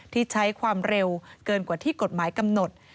ที่ใช้ความเร็วเกินกว่าที่กฎหมายกำหนด